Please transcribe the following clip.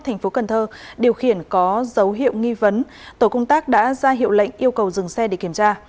thành phố cần thơ điều khiển có dấu hiệu nghi vấn tổ công tác đã ra hiệu lệnh yêu cầu dừng xe để kiểm tra